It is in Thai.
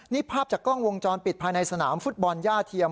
นี่ภาพจากกล้องวงจรปิดภายในสนามฟุตบอลย่าเทียม